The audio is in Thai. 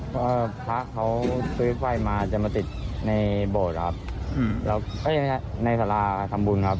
เพราะเขาร์ไปมาจะมาติดในตำราอาททำบุญ